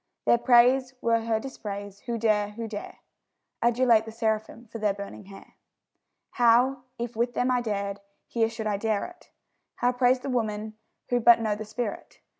Their praise were her dispraise; who dare, who dare, Adulate the seraphim for their burning hair? How, if with them I dared, here should I dare it? How praise the woman, who but know the spirit?